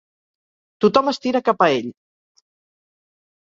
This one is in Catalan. Tothom estira cap a ell.